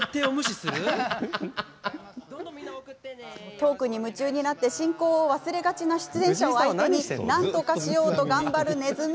トークに夢中で進行を忘れがちな出演者を相手になんとかしようと頑張る、ねずみ。